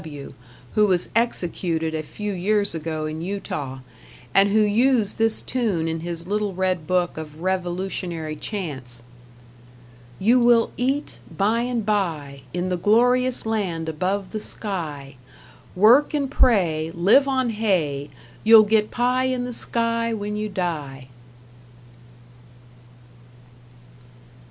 W.W. who was executed a few years ago in Utah, and who used this tune in his little red book of revolutionary chants: You will eat, bye and bye, In the glorious land above the sky; Work and pray, live on hay, You'll get pie in the sky when you die!